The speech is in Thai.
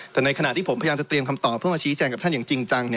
แต่ในขณะที่ผมพยายามจะเตรียมคำตอบเพื่อมาชี้แจงกับท่านอย่างจริงจัง